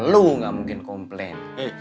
lu gak mungkin komplain